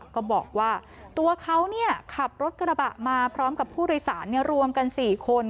ก็บอกว่าตัวเขาขับรถกระบะมาพร้อมกับผู้โดยสารรวมกัน๔คน